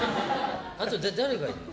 あと誰がいるの？